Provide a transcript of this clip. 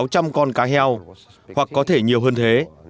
chúng tôi đã đánh bắt sáu trăm linh con cá heo hoặc có thể nhiều hơn thế